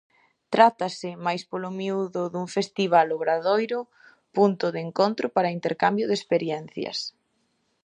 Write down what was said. Trátase, máis polo miúdo, dun festival-obradoiro-punto de encontro para o intercambio de experiencias.